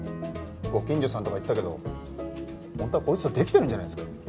ご近所さんとか言ってたけど本当はこいつとデキてるんじゃないですか？